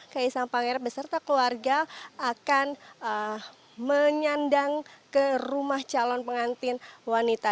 kaisang pangarep beserta keluarga akan menyandang ke rumah calon pengantin wanita